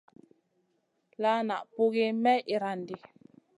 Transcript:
La na pugiya may irandi.